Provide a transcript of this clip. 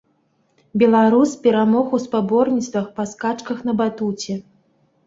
Беларус перамог у спаборніцтвах па скачках на батуце.